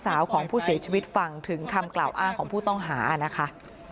สาวของผู้เสียชีวิตฟังถึงคำกล่าวอ้างของผู้ต้องหานะคะ